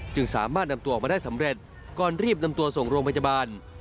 สามารถนำตัวออกมาได้สำเร็จก่อนรีบนำตัวส่งโรงพยาบาล